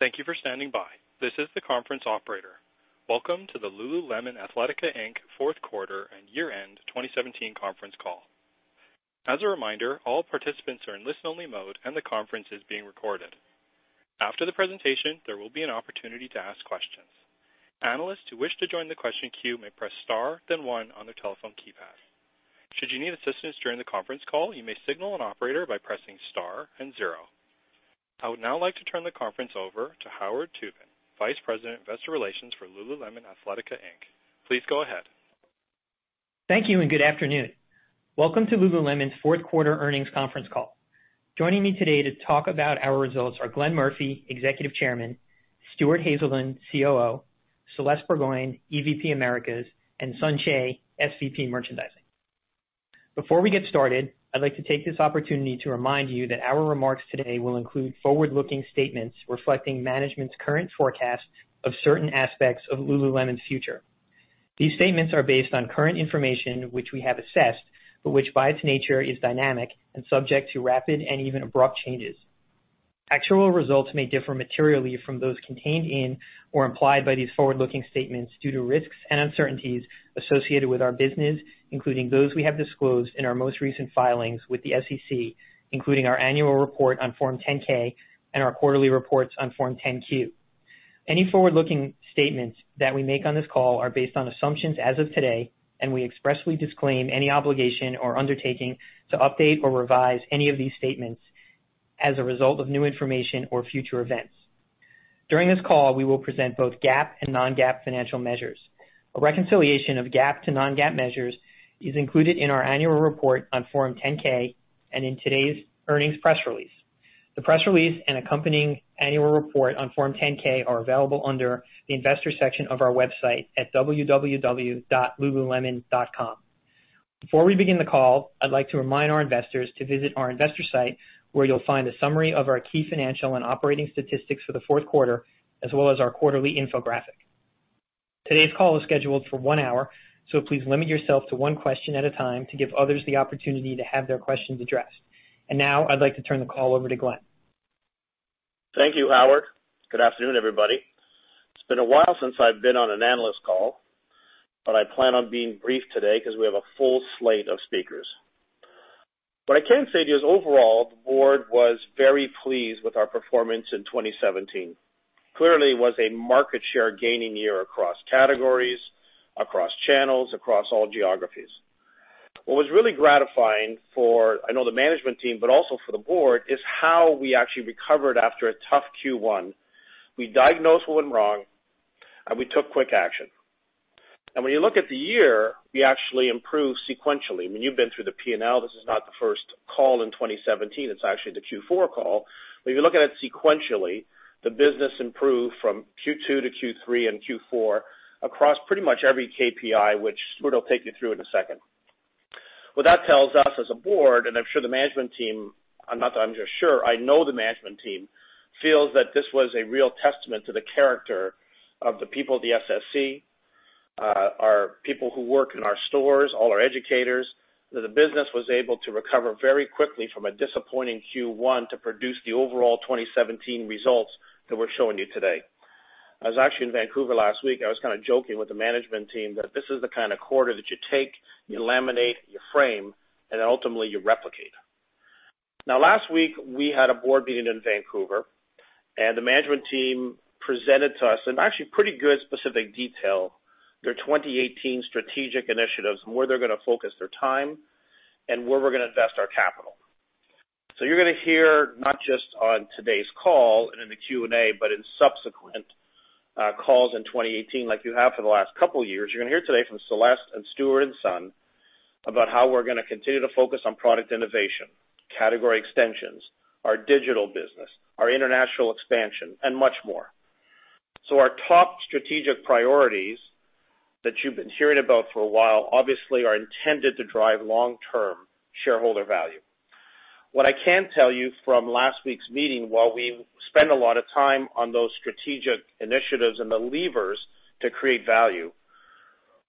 Thank you for standing by. This is the conference operator. Welcome to the Lululemon Athletica Inc. Fourth Quarter and Year End 2017 conference call. As a reminder, all participants are in listen only mode and the conference is being recorded. After the presentation, there will be an opportunity to ask questions. Analysts who wish to join the question queue may press star then one on their telephone keypad. Should you need assistance during the conference call, you may signal an operator by pressing star and zero. I would now like to turn the conference over to Howard Tubin, Vice President, Investor Relations for Lululemon Athletica Inc. Please go ahead. Thank you and good afternoon. Welcome to Lululemon's fourth quarter earnings conference call. Joining me today to talk about our results are Glenn Murphy, Executive Chairman, Stuart Haselden, COO, Celeste Burgoyne, EVP Americas, and Sun Choe, SVP Merchandising. Before we get started, I'd like to take this opportunity to remind you that our remarks today will include forward-looking statements reflecting management's current forecast of certain aspects of Lululemon's future. These statements are based on current information which we have assessed, but which by its nature is dynamic and subject to rapid and even abrupt changes. Actual results may differ materially from those contained in or implied by these forward-looking statements due to risks and uncertainties associated with our business, including those we have disclosed in our most recent filings with the SEC, including our annual report on Form 10-K and our quarterly reports on Form 10-Q. Any forward-looking statements that we make on this call are based on assumptions as of today. We expressly disclaim any obligation or undertaking to update or revise any of these statements as a result of new information or future events. During this call, we will present both GAAP and non-GAAP financial measures. A reconciliation of GAAP to non-GAAP measures is included in our annual report on Form 10-K and in today's earnings press release. The press release and accompanying annual report on Form 10-K are available under the investor section of our website at www.lululemon.com. Before we begin the call, I'd like to remind our investors to visit our investor site, where you'll find a summary of our key financial and operating statistics for the fourth quarter, as well as our quarterly infographic. Today's call is scheduled for one hour. Please limit yourself to one question at a time to give others the opportunity to have their questions addressed. Now I'd like to turn the call over to Glenn. Thank you, Howard. Good afternoon, everybody. It's been a while since I've been on an analyst call, but I plan on being brief today because we have a full slate of speakers. What I can say to you is overall, the board was very pleased with our performance in 2017. Clearly, it was a market share gaining year across categories, across channels, across all geographies. What was really gratifying for, I know the management team, but also for the board, is how we actually recovered after a tough Q1. We diagnosed what went wrong, and we took quick action. When you look at the year, we actually improved sequentially. You've been through the P&L. This is not the first call in 2017. It's actually the Q4 call. If you look at it sequentially, the business improved from Q2 to Q3 and Q4 across pretty much every KPI, which Stuart will take you through in a second. What that tells us as a board, and I'm sure the management team, not that I'm just sure, I know the management team, feels that this was a real testament to the character of the people of the SSC, our people who work in our stores, all our educators, that the business was able to recover very quickly from a disappointing Q1 to produce the overall 2017 results that we're showing you today. I was actually in Vancouver last week. I was kind of joking with the management team that this is the kind of quarter that you take, you laminate, you frame, and then ultimately you replicate. Last week, we had a board meeting in Vancouver, and the management team presented to us in actually pretty good specific detail, their 2018 strategic initiatives and where they're going to focus their time and where we're going to invest our capital. You're going to hear not just on today's call and in the Q&A, but in subsequent calls in 2018, like you have for the last couple of years. You're going to hear today from Celeste and Stuart and Sun about how we're going to continue to focus on product innovation, category extensions, our digital business, our international expansion, and much more. Our top strategic priorities that you've been hearing about for a while, obviously are intended to drive long-term shareholder value. What I can tell you from last week's meeting, while we spend a lot of time on those strategic initiatives and the levers to create value,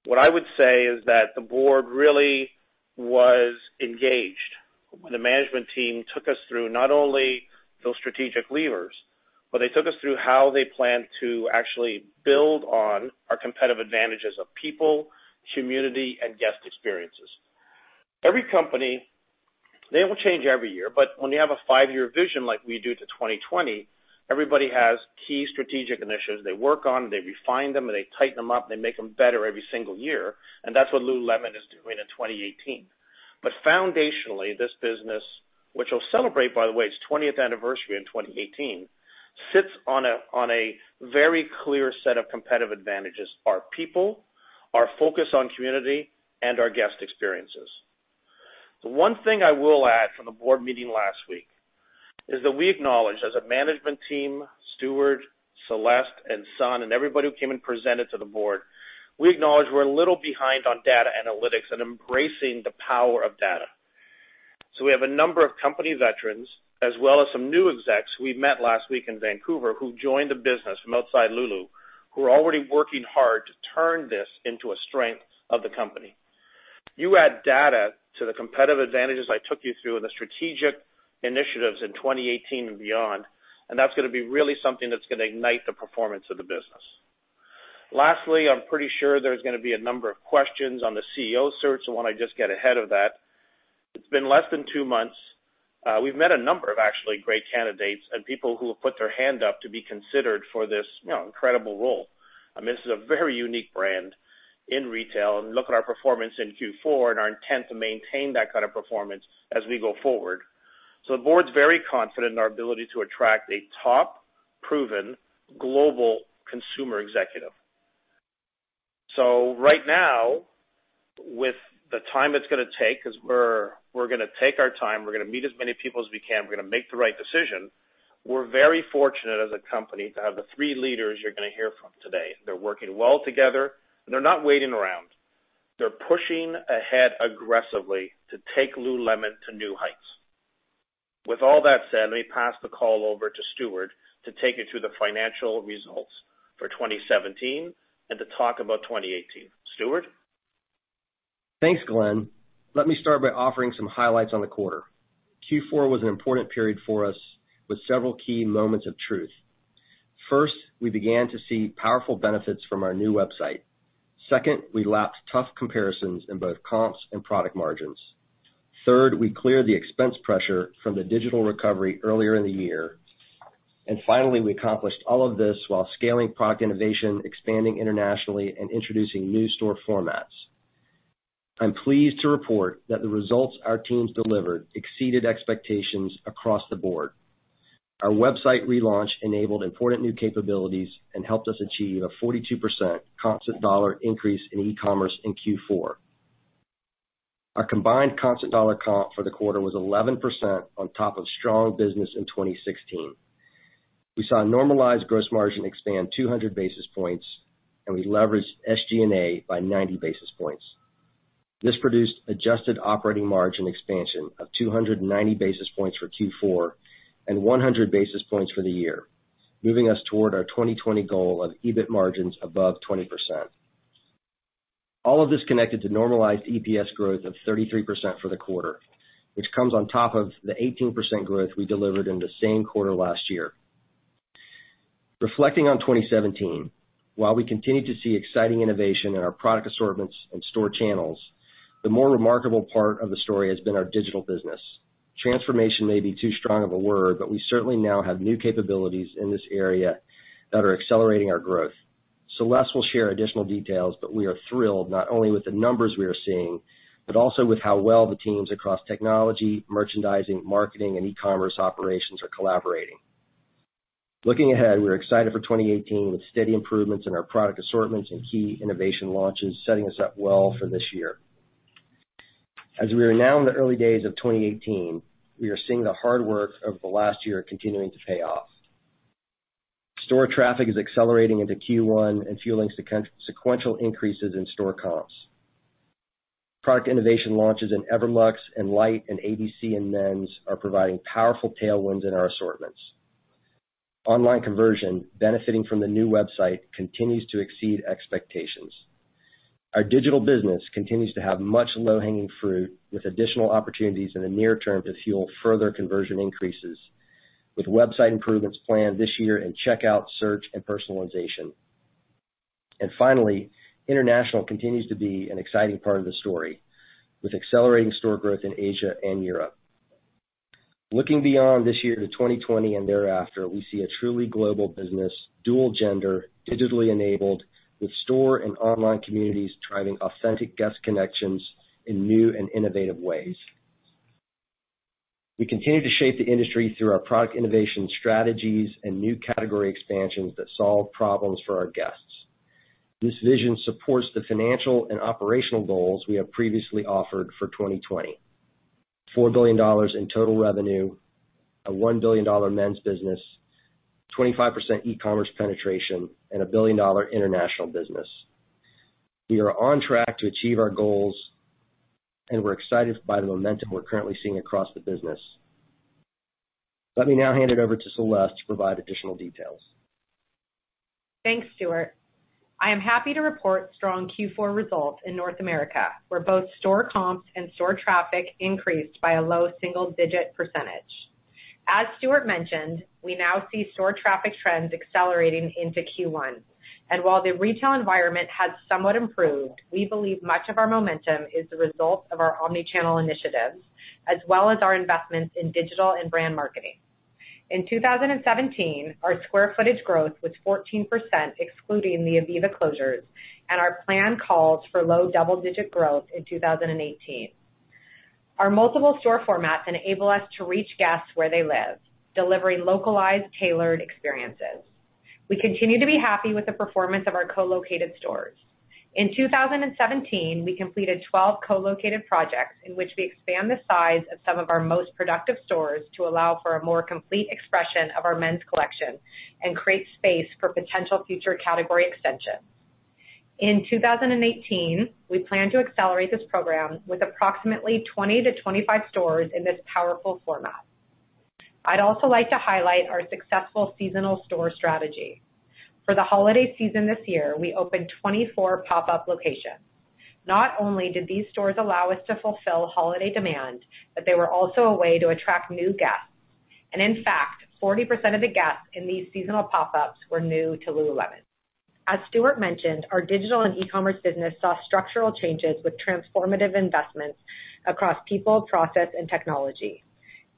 what I would say is that the board really was engaged when the management team took us through not only those strategic levers, but they took us through how they plan to actually build on our competitive advantages of people, community, and guest experiences. Every company, they will change every year, but when you have a five-year vision like we do to 2020, everybody has key strategic initiatives they work on, they refine them, and they tighten them up. They make them better every single year, and that's what Lululemon is doing in 2018. Foundationally, this business, which will celebrate, by the way, its 20th anniversary in 2018, sits on a very clear set of competitive advantages: our people, our focus on community, and our guest experiences. The one thing I will add from the board meeting last week is that we acknowledge as a management team, Stuart, Celeste, and Sun, and everybody who came and presented to the board, we acknowledge we're a little behind on data analytics and embracing the power of data. We have a number of company veterans, as well as some new execs we met last week in Vancouver who've joined the business from outside Lulu, who are already working hard to turn this into a strength of the company. You add data to the competitive advantages I took you through and the strategic initiatives in 2018 and beyond, that's going to be really something that's going to ignite the performance of the business. Lastly, I'm pretty sure there's going to be a number of questions on the CEO search. I want to just get ahead of that. It's been less than two months. We've met a number of actually great candidates and people who have put their hand up to be considered for this incredible role. I mean, this is a very unique brand in retail, and look at our performance in Q4 and our intent to maintain that kind of performance as we go forward. The board's very confident in our ability to attract a top, proven global consumer executive. Right now, with the time it's going to take, because we're going to take our time, we're going to meet as many people as we can. We're going to make the right decision. We're very fortunate as a company to have the three leaders you're going to hear from today. They're working well together, and they're not waiting around. They're pushing ahead aggressively to take Lululemon to new heights. With all that said, let me pass the call over to Stuart to take you through the financial results for 2017 and to talk about 2018. Stuart? Thanks, Glenn. Let me start by offering some highlights on the quarter. Q4 was an important period for us with several key moments of truth. First, we began to see powerful benefits from our new website. Second, we lapped tough comparisons in both comps and product margins. Third, we cleared the expense pressure from the digital recovery earlier in the year. Finally, we accomplished all of this while scaling product innovation, expanding internationally, and introducing new store formats. I'm pleased to report that the results our teams delivered exceeded expectations across the board. Our website relaunch enabled important new capabilities and helped us achieve a 42% constant dollar increase in e-commerce in Q4. Our combined constant dollar comp for the quarter was 11% on top of strong business in 2016. We saw normalized gross margin expand 200 basis points, and we leveraged SG&A by 90 basis points. This produced adjusted operating margin expansion of 290 basis points for Q4 and 100 basis points for the year, moving us toward our 2020 goal of EBIT margins above 20%. All of this connected to normalized EPS growth of 33% for the quarter, which comes on top of the 18% growth we delivered in the same quarter last year. Reflecting on 2017, while we continued to see exciting innovation in our product assortments and store channels, the more remarkable part of the story has been our digital business. Transformation may be too strong of a word, but we certainly now have new capabilities in this area that are accelerating our growth. Celeste will share additional details, but we are thrilled not only with the numbers we are seeing, but also with how well the teams across technology, merchandising, marketing, and e-commerce operations are collaborating. We're excited for 2018 with steady improvements in our product assortments and key innovation launches setting us up well for this year. As we are now in the early days of 2018, we are seeing the hard work of the last year continuing to pay off. Store traffic is accelerating into Q1 and fueling sequential increases in store comps. Product innovation launches in Everlux, Enlight and ABC in men's are providing powerful tailwinds in our assortments. Online conversion, benefiting from the new website, continues to exceed expectations. Our digital business continues to have much low-hanging fruit with additional opportunities in the near term to fuel further conversion increases, with website improvements planned this year in checkout, search, and personalization. Finally, international continues to be an exciting part of the story, with accelerating store growth in Asia and Europe. Looking beyond this year to 2020 and thereafter, we see a truly global business, dual gender, digitally enabled, with store and online communities driving authentic guest connections in new and innovative ways. We continue to shape the industry through our product innovation strategies and new category expansions that solve problems for our guests. This vision supports the financial and operational goals we have previously offered for 2020. $4 billion in total revenue, a $1 billion men's business, 25% e-commerce penetration, and a $1 billion international business. We are on track to achieve our goals, and we're excited by the momentum we're currently seeing across the business. Let me now hand it over to Celeste to provide additional details. Thanks, Stuart. I am happy to report strong Q4 results in North America, where both store comps and store traffic increased by a low single-digit percentage. Stuart mentioned, we now see store traffic trends accelerating into Q1. While the retail environment has somewhat improved, we believe much of our momentum is the result of our omnichannel initiatives, as well as our investments in digital and brand marketing. In 2017, our square footage growth was 14%, excluding the ivivva closures, and our plan calls for low double-digit growth in 2018. Our multiple store formats enable us to reach guests where they live, delivering localized, tailored experiences. We continue to be happy with the performance of our co-located stores. In 2017, we completed 12 co-located projects in which we expand the size of some of our most productive stores to allow for a more complete expression of our men's collection and create space for potential future category extensions. In 2018, we plan to accelerate this program with approximately 20-25 stores in this powerful format. I'd also like to highlight our successful seasonal store strategy. For the holiday season this year, we opened 24 pop-up locations. Not only did these stores allow us to fulfill holiday demand, they were also a way to attract new guests. In fact, 40% of the guests in these seasonal pop-ups were new to Lululemon. As Stuart mentioned, our digital and e-commerce business saw structural changes with transformative investments across people, process, and technology.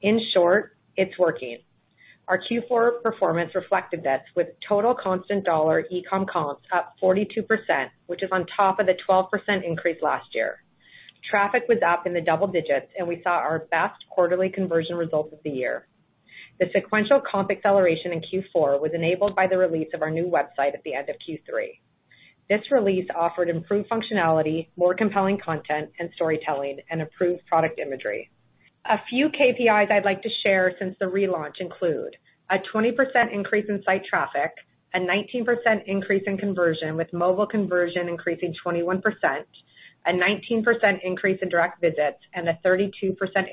In short, it's working. Our Q4 performance reflected this with total constant dollar e-com comps up 42%, which is on top of the 12% increase last year. Traffic was up in the double digits. We saw our best quarterly conversion results of the year. The sequential comp acceleration in Q4 was enabled by the release of our new website at the end of Q3. This release offered improved functionality, more compelling content and storytelling, and improved product imagery. A few KPIs I'd like to share since the relaunch include a 20% increase in site traffic, a 19% increase in conversion, with mobile conversion increasing 21%, a 19% increase in direct visits, and a 32%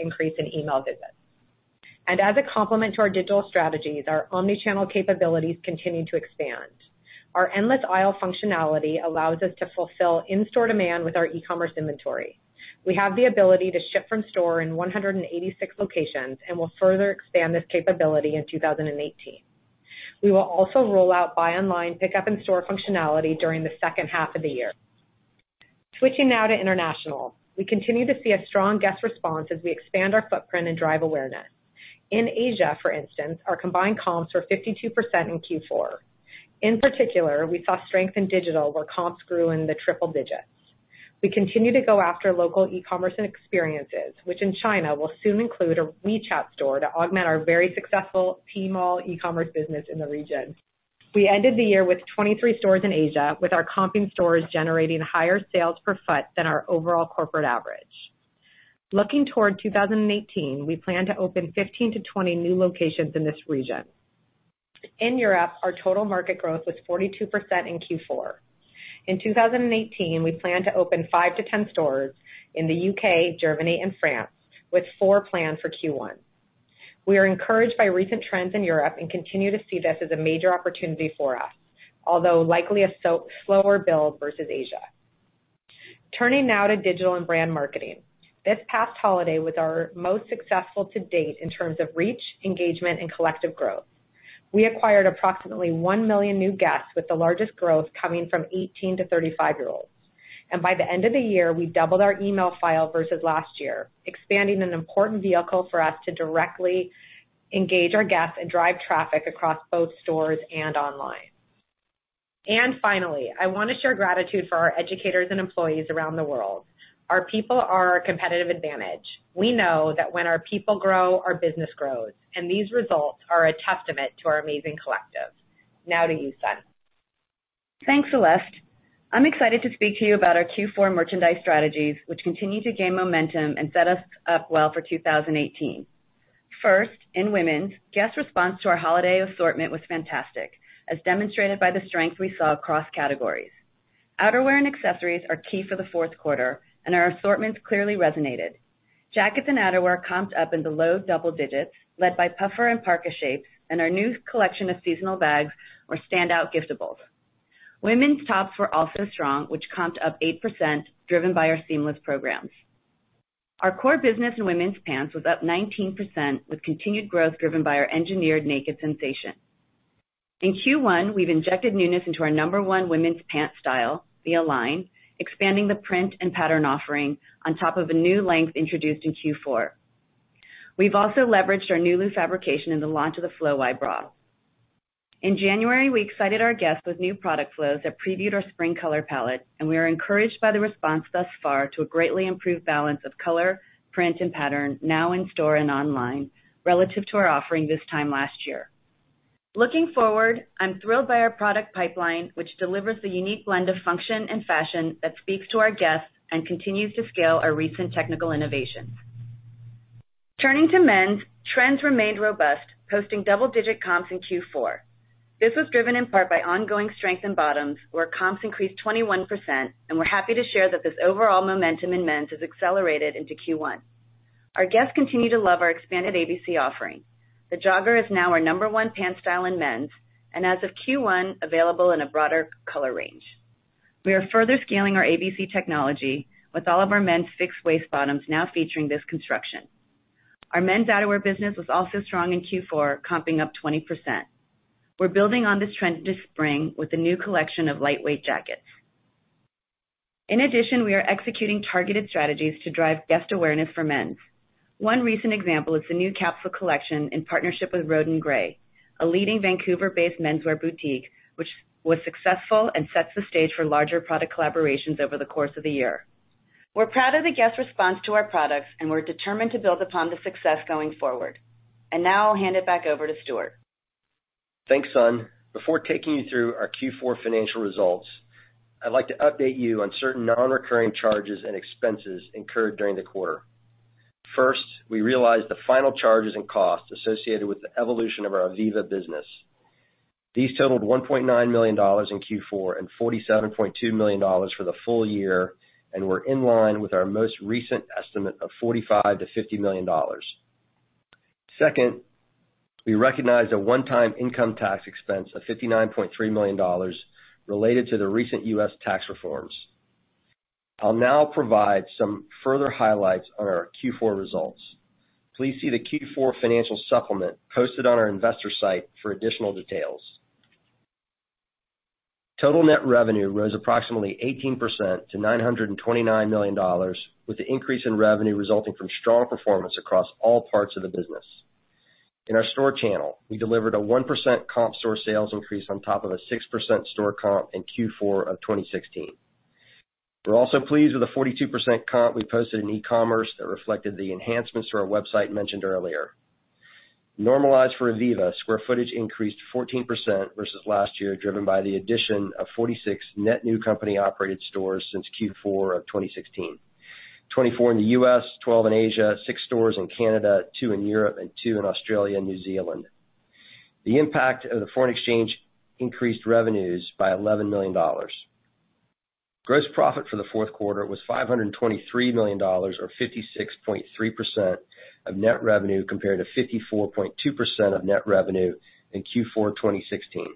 increase in email visits. As a complement to our digital strategies, our omni-channel capabilities continue to expand. Our endless aisle functionality allows us to fulfill in-store demand with our e-commerce inventory. We have the ability to ship from store in 186 locations and will further expand this capability in 2018. We will also roll out buy online, pickup in store functionality during the second half of the year. Switching now to international. We continue to see a strong guest response as we expand our footprint and drive awareness. In Asia, for instance, our combined comps were 52% in Q4. In particular, we saw strength in digital, where comps grew in the triple digits. We continue to go after local e-commerce and experiences, which in China will soon include a WeChat store to augment our very successful Tmall e-commerce business in the region. We ended the year with 23 stores in Asia, with our comping stores generating higher sales per foot than our overall corporate average. Looking toward 2018, we plan to open 15-20 new locations in this region. In Europe, our total market growth was 42% in Q4. In 2018, we plan to open 5-10 stores in the U.K., Germany, and France, with four planned for Q1. We are encouraged by recent trends in Europe and continue to see this as a major opportunity for us, although likely a slower build versus Asia. Turning now to digital and brand marketing. This past holiday was our most successful to date in terms of reach, engagement, and collective growth. We acquired approximately 1 million new guests, with the largest growth coming from 18-35-year-olds. By the end of the year, we doubled our email file versus last year, expanding an important vehicle for us to directly engage our guests and drive traffic across both stores and online. Finally, I want to share gratitude for our educators and employees around the world. Our people are our competitive advantage. We know that when our people grow, our business grows, and these results are a testament to our amazing collective. Now to you, Sun. Thanks, Celeste. I'm excited to speak to you about our Q4 merchandise strategies, which continue to gain momentum and set us up well for 2018. First, in women's, guest response to our holiday assortment was fantastic, as demonstrated by the strength we saw across categories. Outerwear and accessories are key for the fourth quarter, and our assortments clearly resonated. Jackets and outerwear comped up in the low double digits, led by puffer and parka shapes, and our new collection of seasonal bags were standout giftables. Women's tops were also strong, which comped up 8%, driven by our seamless programs. Our core business in women's pants was up 19%, with continued growth driven by our engineered Naked Sensation. In Q1, we've injected newness into our number 1 women's pant style, the Align, expanding the print and pattern offering on top of a new length introduced in Q4. We've also leveraged our new Nulu fabrication in the launch of the Flow Y Bra. In January, we excited our guests with new product flows that previewed our spring color palette, and we are encouraged by the response thus far to a greatly improved balance of color, print, and pattern now in store and online relative to our offering this time last year. Looking forward, I'm thrilled by our product pipeline, which delivers a unique blend of function and fashion that speaks to our guests and continues to scale our recent technical innovations. Turning to men's, trends remained robust, posting double-digit comps in Q4. This was driven in part by ongoing strength in bottoms, where comps increased 21%, and we're happy to share that this overall momentum in men's has accelerated into Q1. Our guests continue to love our expanded ABC offering. The jogger is now our number 1 pant style in men's, and as of Q1, available in a broader color range. We are further scaling our ABC technology with all of our men's fixed-waist bottoms now featuring this construction. Our men's outerwear business was also strong in Q4, comping up 20%. We're building on this trend this spring with a new collection of lightweight jackets. In addition, we are executing targeted strategies to drive guest awareness for men's. One recent example is the new capsule collection in partnership with Roden Gray, a leading Vancouver-based menswear boutique, which was successful and sets the stage for larger product collaborations over the course of the year. We're proud of the guest response to our products, and we're determined to build upon the success going forward. Now I'll hand it back over to Stuart. Thanks, Sun. Before taking you through our Q4 financial results, I'd like to update you on certain non-recurring charges and expenses incurred during the quarter. First, we realized the final charges and costs associated with the evolution of our ivivva business. These totaled $1.9 million in Q4 and $47.2 million for the full year, were in line with our most recent estimate of $45 million to $50 million. Second, we recognized a one-time income tax expense of $59.3 million related to the recent U.S. tax reforms. I'll now provide some further highlights on our Q4 results. Please see the Q4 financial supplement posted on our investor site for additional details. Total net revenue rose approximately 18% to $929 million, with the increase in revenue resulting from strong performance across all parts of the business. In our store channel, we delivered a 1% comp store sales increase on top of a 6% store comp in Q4 of 2016. We're also pleased with the 42% comp we posted in e-commerce that reflected the enhancements to our website mentioned earlier. Normalized for ivivva, square footage increased 14% versus last year, driven by the addition of 46 net new company-operated stores since Q4 of 2016. 24 in the U.S., 12 in Asia, six stores in Canada, two in Europe, and two in Australia and New Zealand. The impact of the foreign exchange increased revenues by $11 million. Gross profit for the fourth quarter was $523 million, or 56.3% of net revenue, compared to 54.2% of net revenue in Q4 2016.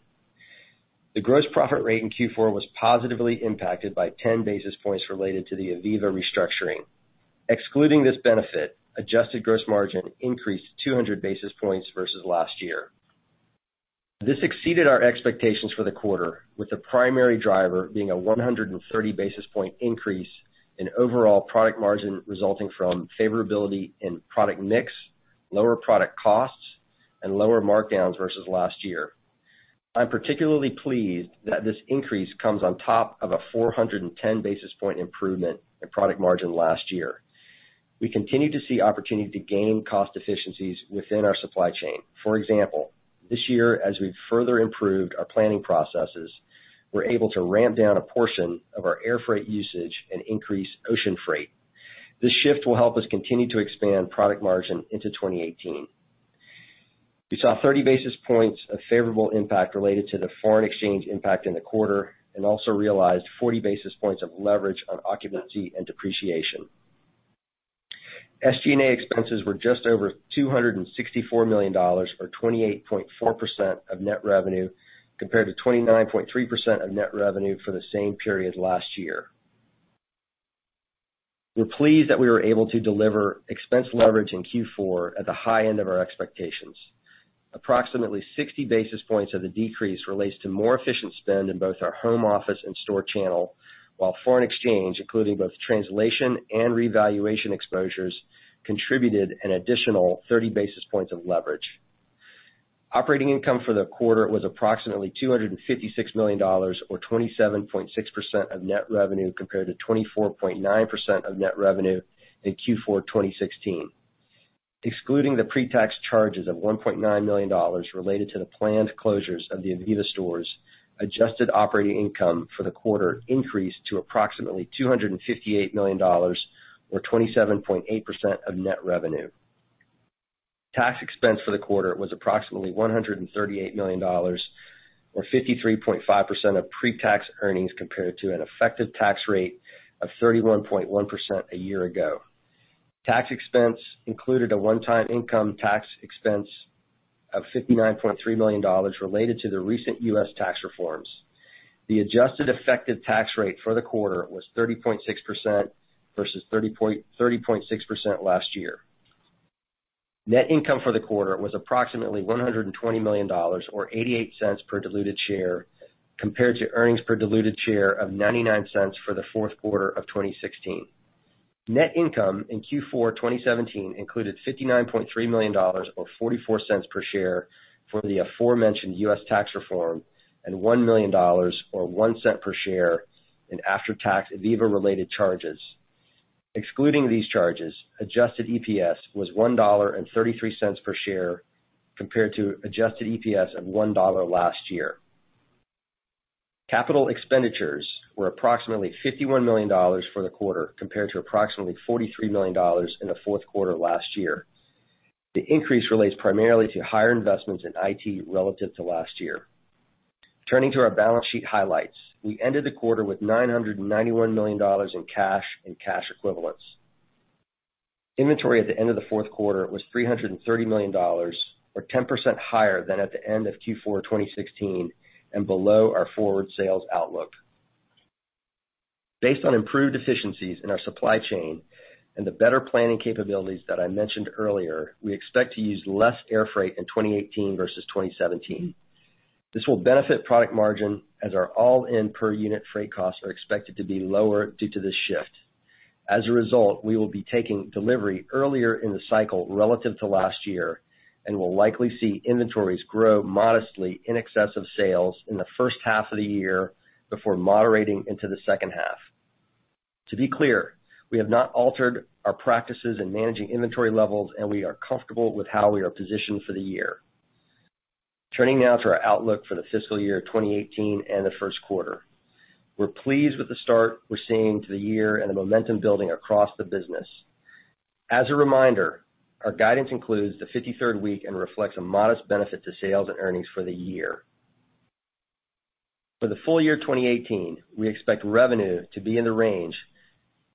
The gross profit rate in Q4 was positively impacted by 10 basis points related to the ivivva restructuring. Excluding this benefit, adjusted gross margin increased 200 basis points versus last year. This exceeded our expectations for the quarter, with the primary driver being a 130 basis point increase in overall product margin, resulting from favorability in product mix, lower product costs, and lower markdowns versus last year. I'm particularly pleased that this increase comes on top of a 410 basis point improvement in product margin last year. We continue to see opportunity to gain cost efficiencies within our supply chain. For example, this year, as we've further improved our planning processes, we're able to ramp down a portion of our air freight usage and increase ocean freight. This shift will help us continue to expand product margin into 2018. We saw 30 basis points of favorable impact related to the foreign exchange impact in the quarter and also realized 40 basis points of leverage on occupancy and depreciation. SG&A expenses were just over $264 million, or 28.4% of net revenue, compared to 29.3% of net revenue for the same period last year. We're pleased that we were able to deliver expense leverage in Q4 at the high end of our expectations. Approximately 60 basis points of the decrease relates to more efficient spend in both our home office and store channel, while foreign exchange, including both translation and revaluation exposures, contributed an additional 30 basis points of leverage. Operating income for the quarter was approximately $256 million, or 27.6% of net revenue, compared to 24.9% of net revenue in Q4 2016. Excluding the pre-tax charges of $1.9 million related to the planned closures of the ivivva stores, adjusted operating income for the quarter increased to approximately $258 million, or 27.8% of net revenue. Tax expense for the quarter was approximately $138 million, or 53.5% of pre-tax earnings, compared to an effective tax rate of 31.1% a year ago. Tax expense included a one-time income tax expense of $59.3 million related to the recent U.S. tax reforms. The adjusted effective tax rate for the quarter was 30.6%, versus 30.6% last year. Net income for the quarter was approximately $120 million, or $0.88 per diluted share, compared to earnings per diluted share of $0.99 for the fourth quarter of 2016. Net income in Q4 2017 included $59.3 million, or $0.44 per share, for the aforementioned U.S. tax reform, and $1 million, or $0.01 per share in after-tax ivivva-related charges. Excluding these charges, adjusted EPS was $1.33 per share, compared to adjusted EPS of $1 last year. Capital expenditures were approximately $51 million for the quarter, compared to approximately $43 million in the fourth quarter last year. The increase relates primarily to higher investments in IT relative to last year. Turning to our balance sheet highlights. We ended the quarter with $991 million in cash and cash equivalents. Inventory at the end of the fourth quarter was $330 million, or 10% higher than at the end of Q4 2016, and below our forward sales outlook. Based on improved efficiencies in our supply chain and the better planning capabilities that I mentioned earlier, we expect to use less air freight in 2018 versus 2017. This will benefit product margin as our all-in per-unit freight costs are expected to be lower due to this shift. As a result, we will be taking delivery earlier in the cycle relative to last year, and will likely see inventories grow modestly in excess of sales in the first half of the year before moderating into the second half. To be clear, we have not altered our practices in managing inventory levels, and we are comfortable with how we are positioned for the year. Turning now to our outlook for the fiscal year 2018 and the first quarter. We're pleased with the start we're seeing to the year and the momentum building across the business. As a reminder, our guidance includes the 53rd week and reflects a modest benefit to sales and earnings for the year. For the full year 2018, we expect revenue to be in the range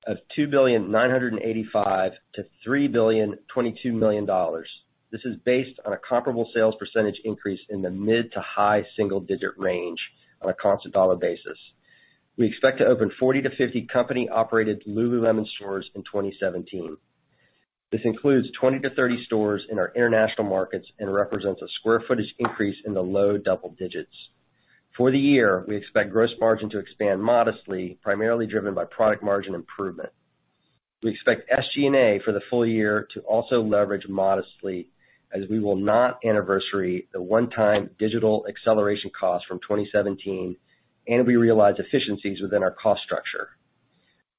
of $2,985,000,000-$3,022,000,000. This is based on a comparable sales percentage increase in the mid to high single-digit range on a constant dollar basis. We expect to open 40 to 50 company-operated lululemon stores in 2017. This includes 20 to 30 stores in our international markets and represents a square footage increase in the low double digits. For the year, we expect gross margin to expand modestly, primarily driven by product margin improvement. We expect SG&A for the full year to also leverage modestly, as we will not anniversary the one-time digital acceleration cost from 2017, and we realize efficiencies within our cost structure.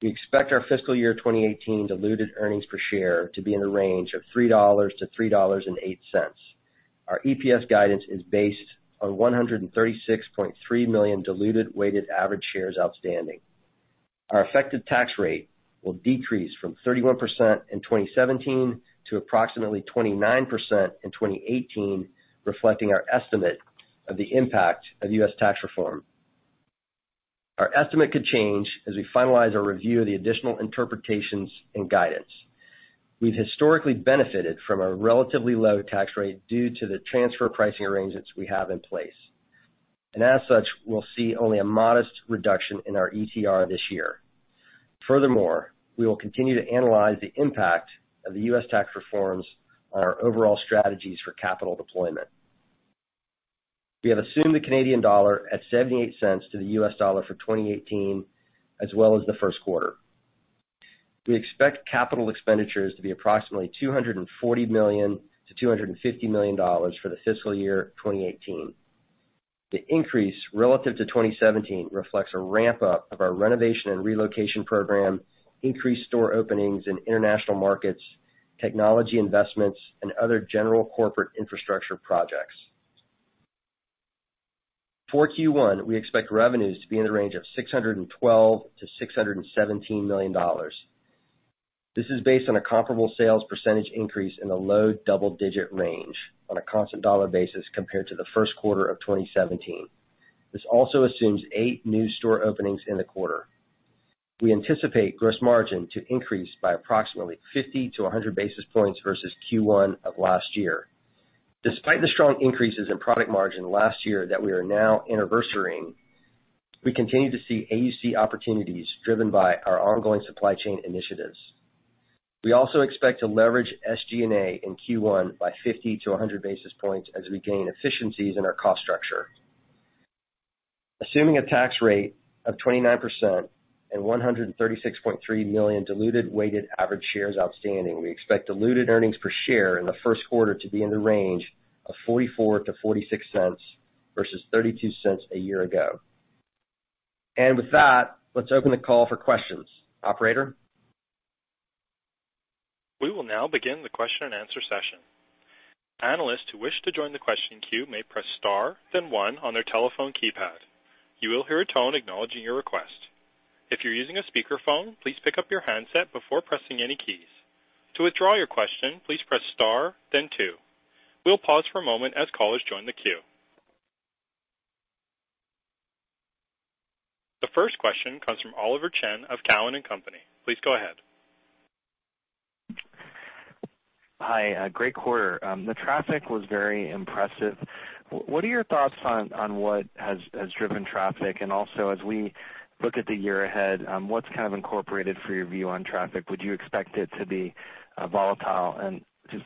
We expect our fiscal year 2018 diluted earnings per share to be in the range of $3.00-$3.08. Our EPS guidance is based on 136.3 million diluted weighted average shares outstanding. Our effective tax rate will decrease from 31% in 2017 to approximately 29% in 2018, reflecting our estimate of the impact of U.S. tax reform. Our estimate could change as we finalize our review of the additional interpretations and guidance. We've historically benefited from a relatively low tax rate due to the transfer pricing arrangements we have in place. As such, we'll see only a modest reduction in our ETR this year. Furthermore, we will continue to analyze the impact of the U.S. tax reforms on our overall strategies for capital deployment. We have assumed the Canadian dollar at 0.78 to the U.S. dollar for 2018 as well as the first quarter. We expect capital expenditures to be approximately $240 million-$250 million for the fiscal year 2018. The increase relative to 2017 reflects a ramp-up of our renovation and relocation program, increased store openings in international markets, technology investments, and other general corporate infrastructure projects. For Q1, we expect revenues to be in the range of $612 million-$617 million. This is based on a comparable sales percentage increase in the low double-digit range on a constant dollar basis compared to the first quarter of 2017. This also assumes eight new store openings in the quarter. We anticipate gross margin to increase by approximately 50-100 basis points versus Q1 of last year. Despite the strong increases in product margin last year that we are now anniversarying, we continue to see AUC opportunities driven by our ongoing supply chain initiatives. We also expect to leverage SG&A in Q1 by 50-100 basis points as we gain efficiencies in our cost structure. Assuming a tax rate of 29% and 136.3 million diluted weighted average shares outstanding, we expect diluted earnings per share in the first quarter to be in the range of $0.44-$0.46 versus $0.32 a year ago. With that, let's open the call for questions. Operator? We will now begin the question and answer session. Analysts who wish to join the question queue may press star then one on their telephone keypad. You will hear a tone acknowledging your request. If you're using a speakerphone, please pick up your handset before pressing any keys. To withdraw your question, please press star then two. We'll pause for a moment as callers join the queue. The first question comes from Oliver Chen of Cowen and Company. Please go ahead. Hi. Great quarter. The traffic was very impressive. What are your thoughts on what has driven traffic? Also, as we look at the year ahead, what's kind of incorporated for your view on traffic? Would you expect it to be volatile? Just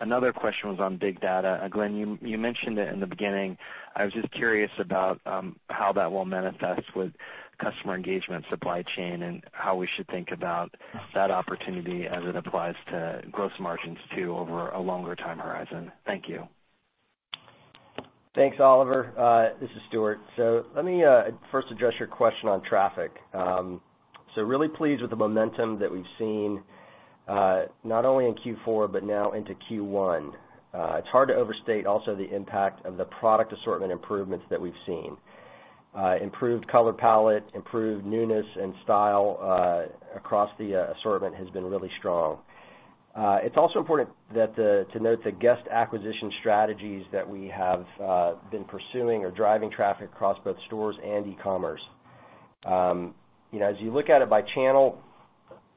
another question was on big data. Glenn, you mentioned it in the beginning. I was just curious about how that will manifest with customer engagement supply chain and how we should think about that opportunity as it applies to gross margins too, over a longer time horizon. Thank you. Thanks, Oliver. This is Stuart. Let me first address your question on traffic. Really pleased with the momentum that we've seen, not only in Q4 but now into Q1. It's hard to overstate also the impact of the product assortment improvements that we've seen. Improved color palette, improved newness, and style across the assortment has been really strong. It's also important to note the guest acquisition strategies that we have been pursuing are driving traffic across both stores and e-commerce. As you look at it by channel,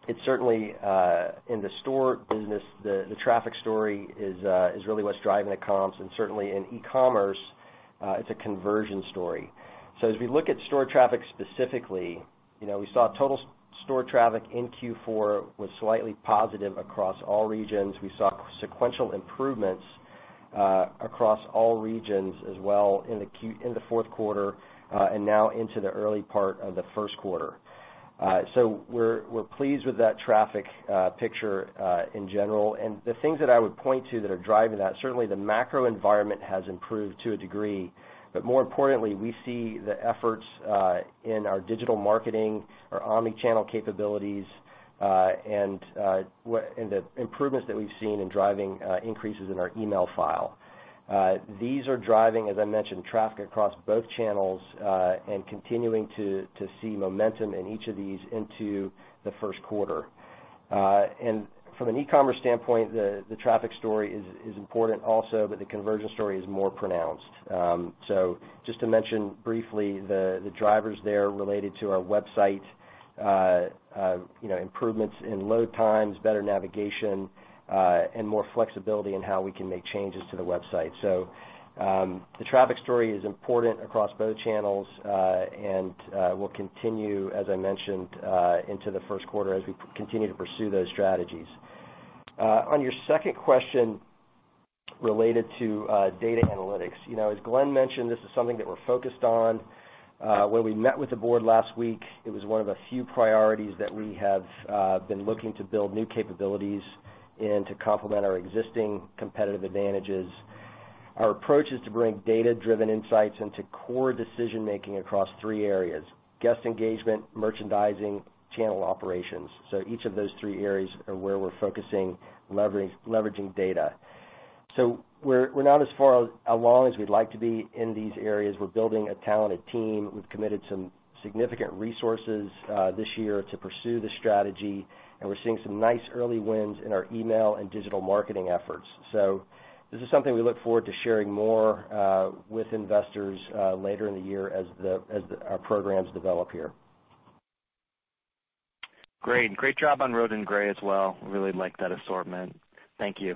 it's certainly in the store business, the traffic story is really what's driving the comps, and certainly in e-commerce, it's a conversion story. As we look at store traffic specifically, we saw total store traffic in Q4 was slightly positive across all regions. We saw sequential improvements across all regions as well in the fourth quarter, and now into the early part of the first quarter. We're pleased with that traffic picture in general. The things that I would point to that are driving that, certainly the macro environment has improved to a degree. More importantly, we see the efforts in our digital marketing, our omni-channel capabilities, and the improvements that we've seen in driving increases in our email file. These are driving, as I mentioned, traffic across both channels, and continuing to see momentum in each of these into the first quarter. From an e-commerce standpoint, the traffic story is important also, but the conversion story is more pronounced. Just to mention briefly, the drivers there related to our website, improvements in load times, better navigation, and more flexibility in how we can make changes to the website. The traffic story is important across both channels, and will continue, as I mentioned, into the first quarter as we continue to pursue those strategies. On your second question related to data analytics. As Glenn mentioned, this is something that we're focused on. When we met with the board last week, it was one of a few priorities that we have been looking to build new capabilities in to complement our existing competitive advantages. Our approach is to bring data-driven insights into core decision-making across three areas: guest engagement, merchandising, channel operations. Each of those three areas are where we're focusing, leveraging data. We're not as far along as we'd like to be in these areas. We're building a talented team. We've committed some significant resources this year to pursue this strategy. We're seeing some nice early wins in our email and digital marketing efforts. This is something we look forward to sharing more with investors later in the year as our programs develop here. Great. Great job on Roden Gray as well. Really like that assortment. Thank you.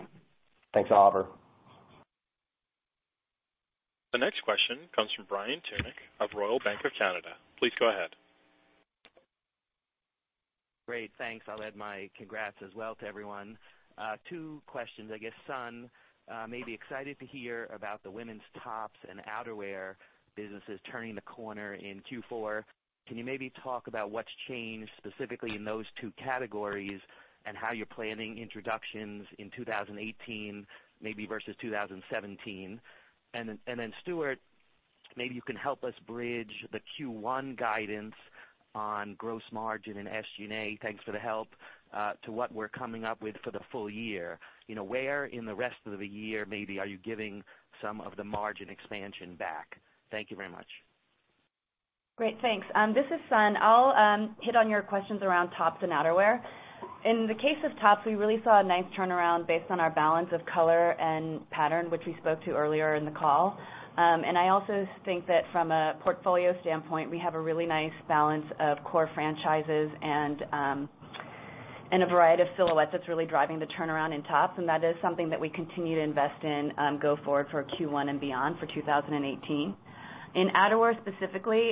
Thanks, Oliver. The next question comes from Brian Tunick of Royal Bank of Canada. Please go ahead. Great. Thanks. I'll add my congrats as well to everyone. Two questions. I guess, Sun, maybe excited to hear about the women's tops and outerwear businesses turning the corner in Q4. Can you maybe talk about what's changed specifically in those two categories, and how you're planning introductions in 2018, maybe versus 2017? Then Stuart, maybe you can help us bridge the Q1 guidance on gross margin and SG&A, thanks for the help, to what we're coming up with for the full year. Where in the rest of the year maybe are you giving some of the margin expansion back? Thank you very much. Great. Thanks. This is Sun. I'll hit on your questions around tops and outerwear. In the case of tops, we really saw a nice turnaround based on our balance of color and pattern, which we spoke to earlier in the call. I also think that from a portfolio standpoint, we have a really nice balance of core franchises and a variety of silhouettes that's really driving the turnaround in tops, that is something that we continue to invest in go forward for Q1 and beyond for 2018. In outerwear specifically,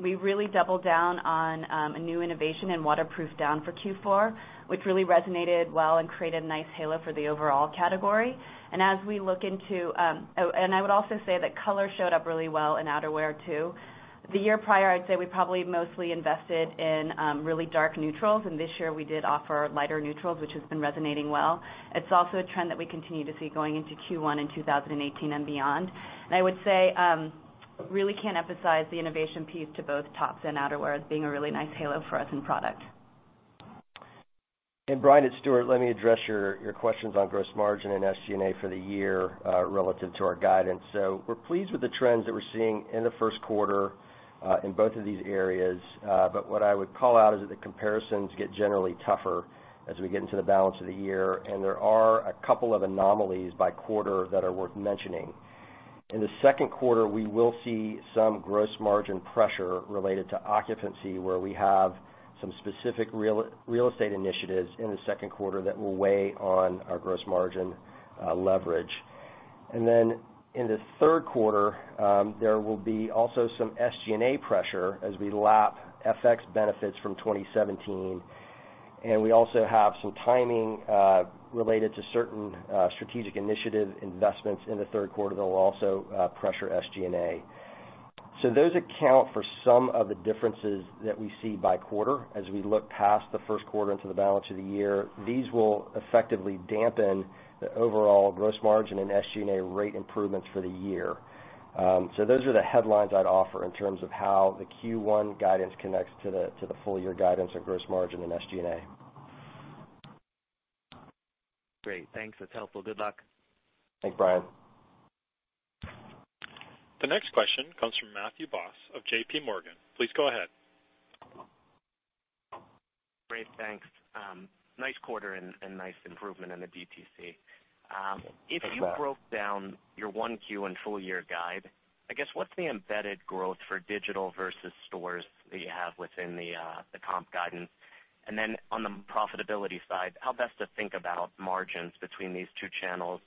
we really doubled down on a new innovation in waterproof down for Q4, which really resonated well and created a nice halo for the overall category. I would also say that color showed up really well in outerwear too. The year prior, I'd say we probably mostly invested in really dark neutrals, and this year we did offer lighter neutrals, which has been resonating well. It's also a trend that we continue to see going into Q1 in 2018 and beyond. I would say, really can't emphasize the innovation piece to both tops and outerwear as being a really nice halo for us in product. Brian, it's Stuart. Let me address your questions on gross margin and SG&A for the year relative to our guidance. We're pleased with the trends that we're seeing in the first quarter in both of these areas. What I would call out is that the comparisons get generally tougher as we get into the balance of the year, there are a couple of anomalies by quarter that are worth mentioning. In the second quarter, we will see some gross margin pressure related to occupancy, where we have some specific real estate initiatives in the second quarter that will weigh on our gross margin leverage. Then in the third quarter, there will be also some SG&A pressure as we lap FX benefits from 2017. We also have some timing related to certain strategic initiative investments in the third quarter that will also pressure SG&A. Those account for some of the differences that we see by quarter as we look past the first quarter into the balance of the year. These will effectively dampen the overall gross margin and SG&A rate improvements for the year. Those are the headlines I'd offer in terms of how the Q1 guidance connects to the full year guidance on gross margin and SG&A. Great. Thanks. That's helpful. Good luck. Thanks, Brian. The next question comes from Matthew Boss of JPMorgan. Please go ahead. Great. Thanks. Nice quarter and nice improvement in the DTC. Thanks, Matt. If you broke down your 1Q and full year guide, I guess, what's the embedded growth for digital versus stores that you have within the comp guidance? On the profitability side, how best to think about margins between these two channels,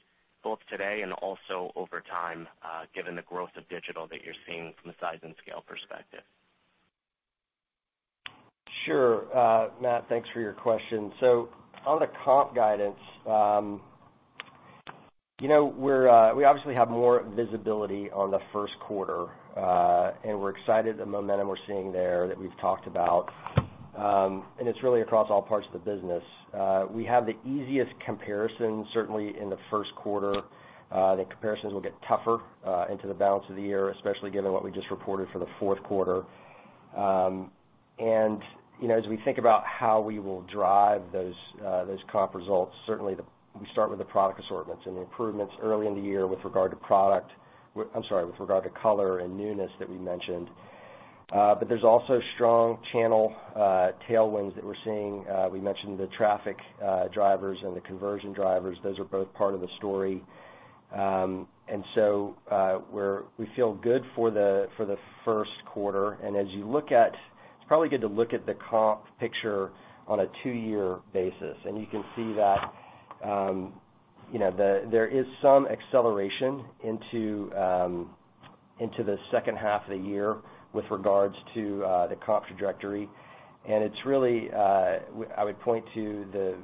both today and also over time, given the growth of digital that you're seeing from a size and scale perspective? Sure. Matt, thanks for your question. On the comp guidance, we obviously have more visibility on the first quarter. We're excited, the momentum we're seeing there that we've talked about. It's really across all parts of the business. We have the easiest comparison, certainly in the first quarter. The comparisons will get tougher into the balance of the year, especially given what we just reported for the fourth quarter. As we think about how we will drive those comp results, certainly we start with the product assortments and the improvements early in the year with regard to color and newness that we mentioned. There's also strong channel tailwinds that we're seeing. We mentioned the traffic drivers and the conversion drivers. Those are both part of the story. We feel good for the first quarter. It's probably good to look at the comp picture on a two-year basis, you can see that there is some acceleration into the second half of the year with regards to the comp trajectory. I would point to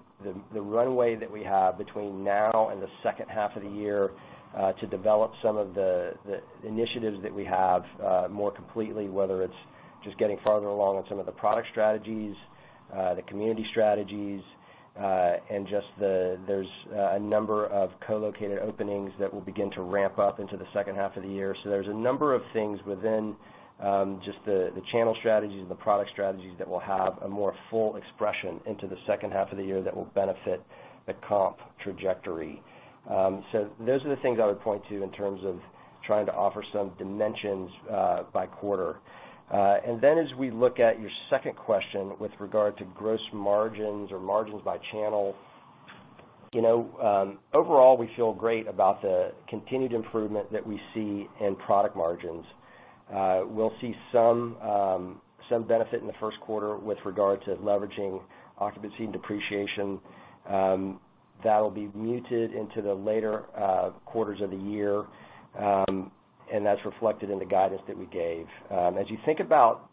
the runway that we have between now and the second half of the year to develop some of the initiatives that we have more completely, whether it's just getting farther along on some of the product strategies, the community strategies, there's a number of co-located openings that will begin to ramp up into the second half of the year. There's a number of things within just the channel strategies and the product strategies that will have a more full expression into the second half of the year that will benefit the comp trajectory. Those are the things I would point to in terms of trying to offer some dimensions by quarter. As we look at your second question with regard to gross margins or margins by channel. Overall, we feel great about the continued improvement that we see in product margins. We'll see some benefit in the first quarter with regard to leveraging occupancy and depreciation. That'll be muted into the later quarters of the year, and that's reflected in the guidance that we gave. As you think about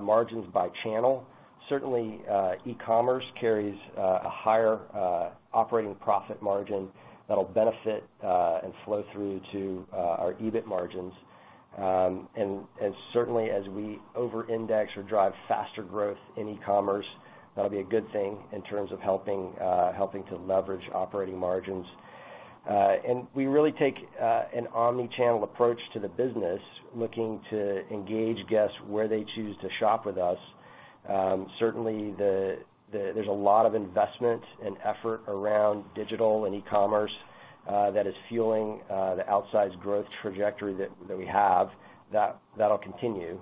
margins by channel, certainly, e-commerce carries a higher operating profit margin that'll benefit and flow through to our EBIT margins. Certainly, as we over-index or drive faster growth in e-commerce, that'll be a good thing in terms of helping to leverage operating margins. We really take an omni-channel approach to the business, looking to engage guests where they choose to shop with us. Certainly, there's a lot of investment and effort around digital and e-commerce that is fueling the outsized growth trajectory that we have. That'll continue.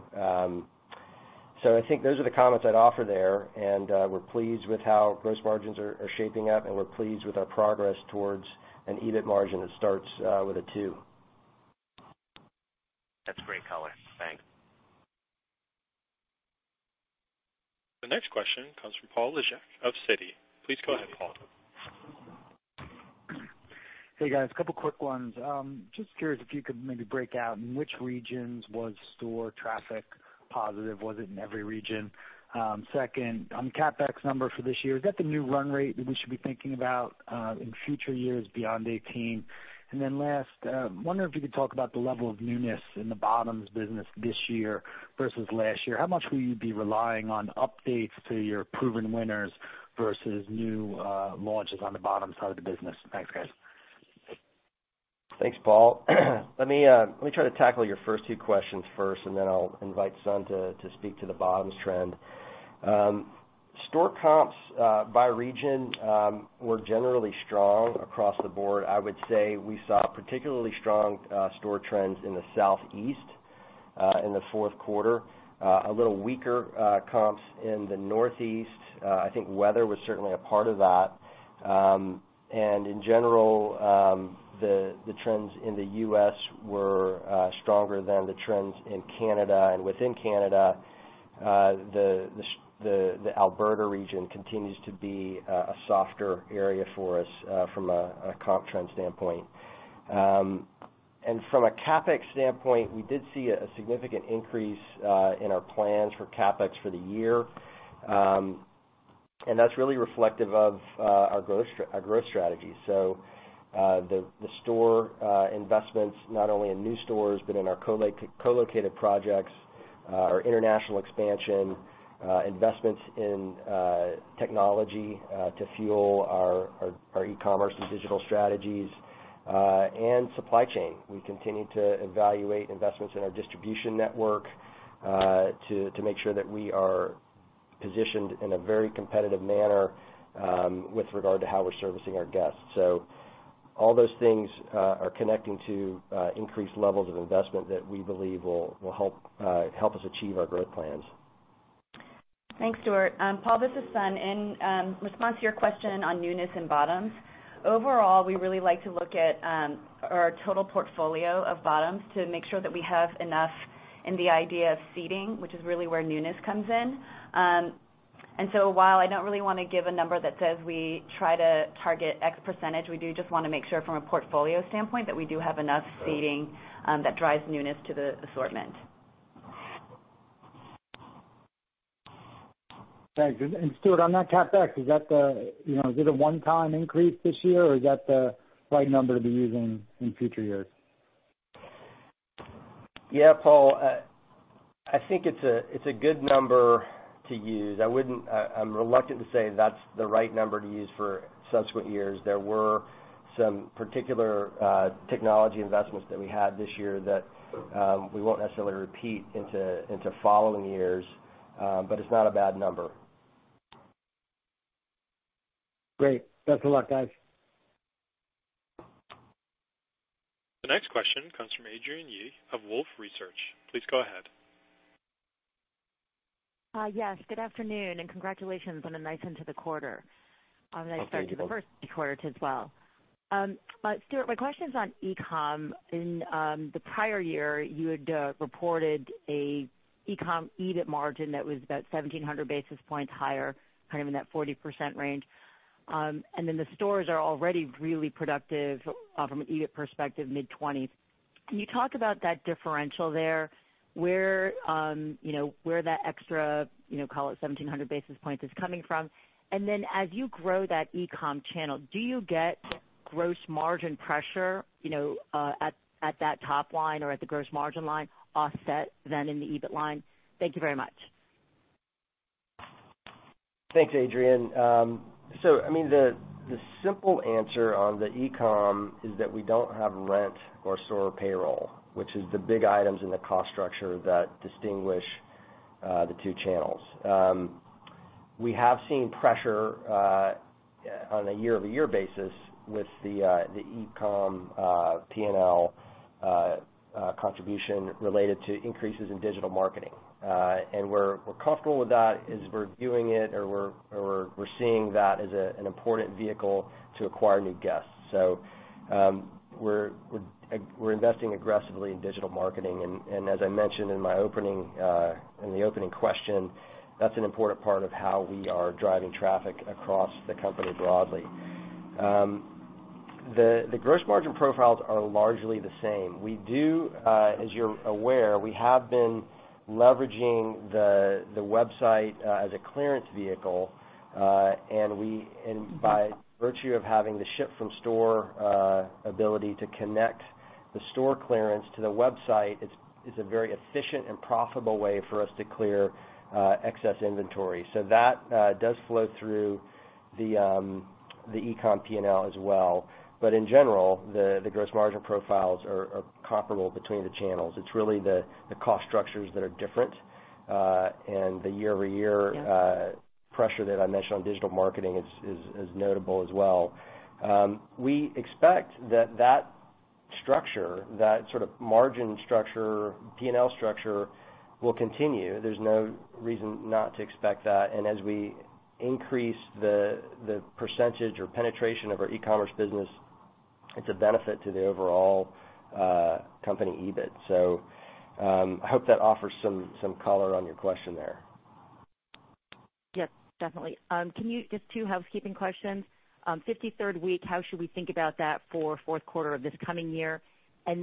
I think those are the comments I'd offer there, and we're pleased with how gross margins are shaping up, and we're pleased with our progress towards an EBIT margin that starts with a two. That's great color. Thanks. The next question comes from Paul Lejuez of Citi. Please go ahead, Paul. Hey, guys. A couple quick ones. Just curious if you could maybe break out in which regions was store traffic positive. Was it in every region? Second, on CapEx number for this year, is that the new run rate that we should be thinking about in future years beyond 2018? Last, wondering if you could talk about the level of newness in the bottoms business this year versus last year. How much will you be relying on updates to your proven winners versus new launches on the bottoms side of the business? Thanks, guys. Thanks, Paul. Let me try to tackle your first two questions first, then I'll invite Sun to speak to the bottoms trend. Store comps by region were generally strong across the board. I would say we saw particularly strong store trends in the Southeast in the fourth quarter. A little weaker comps in the Northeast. I think weather was certainly a part of that. In general, the trends in the U.S. were stronger than the trends in Canada. Within Canada, the Alberta region continues to be a softer area for us from a comp trend standpoint. From a CapEx standpoint, we did see a significant increase in our plans for CapEx for the year. That's really reflective of our growth strategy. The store investments, not only in new stores but in our co-located projects, our international expansion, investments in technology to fuel our e-commerce and digital strategies, and supply chain. We continue to evaluate investments in our distribution network to make sure that we are positioned in a very competitive manner with regard to how we're servicing our guests. All those things are connecting to increased levels of investment that we believe will help us achieve our growth plans. Thanks, Stuart. Paul, this is Sun. In response to your question on newness and bottoms. Overall, we really like to look at our total portfolio of bottoms to make sure that we have enough in the idea of seeding, which is really where newness comes in. While I don't really want to give a number that says we try to target X%, we do just want to make sure from a portfolio standpoint that we do have enough seeding that drives newness to the assortment. Thanks. Stuart, on that CapEx, is it a one-time increase this year, or is that the right number to be using in future years? Yeah, Paul, I think it's a good number to use. I'm reluctant to say that's the right number to use for subsequent years. There were some particular technology investments that we had this year that we won't necessarily repeat into following years. It's not a bad number. Great. Best of luck, guys. The next question comes from Adrienne Yih of Wolfe Research. Please go ahead. Yes, good afternoon, congratulations on a nice end to the quarter. Thank you. A nice start to the first three quarters as well. Stuart Haselden, my question's on e-com. In the prior year, you had reported a e-com EBIT margin that was about 1,700 basis points higher, in that 40% range. The stores are already really productive from an EBIT perspective, mid-20s. Can you talk about that differential there, where that extra call it 1,700 basis points is coming from? As you grow that e-com channel, do you get gross margin pressure at that top line or at the gross margin line offset then in the EBIT line? Thank you very much. Thanks, Adrienne. The simple answer on the e-com is that we don't have rent or store payroll, which is the big items in the cost structure that distinguish the two channels. We have seen pressure on a year-over-year basis with the e-com P&L contribution related to increases in digital marketing. We're comfortable with that as we're viewing it, or we're seeing that as an important vehicle to acquire new guests. We're investing aggressively in digital marketing, and as I mentioned in the opening question, that's an important part of how we are driving traffic across the company broadly. The gross margin profiles are largely the same. As you're aware, we have been leveraging the website as a clearance vehicle. By virtue of having the ship from store ability to connect the store clearance to the website is a very efficient and profitable way for us to clear excess inventory. That does flow through the e-com P&L as well. In general, the gross margin profiles are comparable between the channels. It's really the cost structures that are different. And the year-over-year- Yeah pressure that I mentioned on digital marketing is notable as well. We expect that structure, that margin structure, P&L structure, will continue. There's no reason not to expect that. As we increase the percentage or penetration of our e-commerce business, it's a benefit to the overall company EBIT. I hope that offers some color on your question there. Yes, definitely. Just two housekeeping questions. 53rd week, how should we think about that for fourth quarter of this coming year? On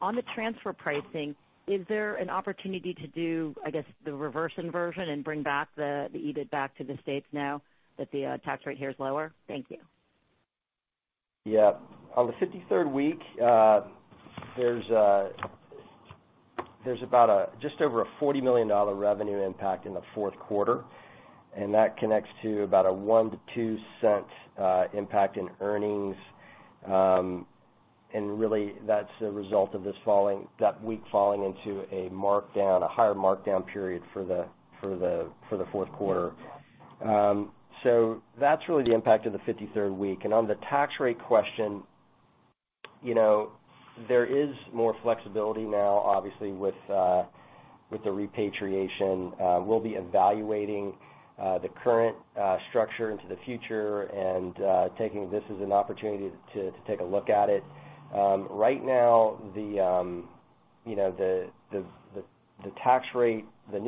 the transfer pricing, is there an opportunity to do the reverse inversion and bring back the EBIT back to the U.S. now that the tax rate here is lower? Thank you. Yeah. On the 53rd week, there's just over a $40 million revenue impact in the fourth quarter, and that connects to about a $0.01 to $0.02 impact in earnings. Really that's a result of that week falling into a higher markdown period for the fourth quarter. That's really the impact of the 53rd week. On the tax rate question, there is more flexibility now, obviously, with the repatriation. We'll be evaluating the current structure into the future and taking this as an opportunity to take a look at it. Right now, the new tax rate in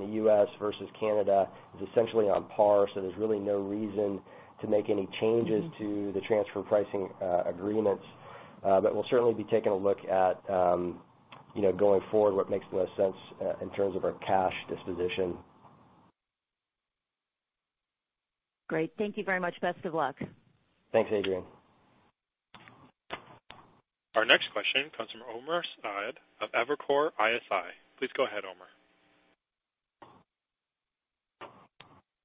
the U.S. versus Canada is essentially on par. There's really no reason to make any changes to the transfer pricing agreements. We'll certainly be taking a look at, going forward, what makes the most sense in terms of our cash disposition. Great. Thank you very much. Best of luck. Thanks, Adrienne. Our next question comes from Omar Saad of Evercore ISI. Please go ahead, Omar.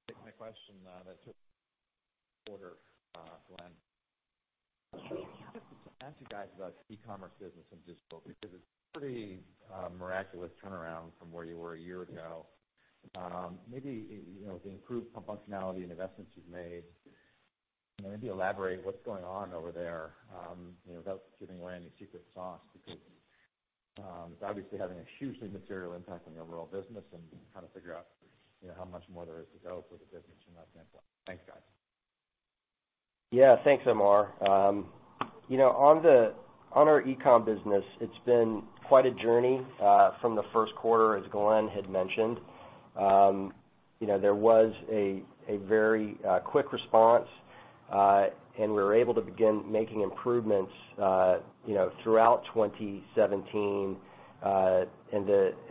Thanks for the question. That's it. Quarter, Glenn. I wanted to ask you guys about e-commerce business and just because it's a pretty miraculous turnaround from where you were a year ago. Maybe the improved functionality and investments you've made, maybe elaborate what's going on over there without giving away any secret sauce, because it's obviously having a hugely material impact on the overall business and kind of figure out how much more there is to go for the business and that kind of thing. Thanks, guys. Thanks, Omar. On our e-com business, it's been quite a journey from the first quarter, as Glenn had mentioned. There was a very quick response, and we were able to begin making improvements throughout 2017.